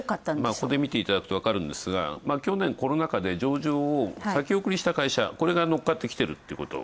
ここで見ていただくと分かるんですが、去年、コロナ禍で上場を先送りした会社、これが乗っかってきているということ。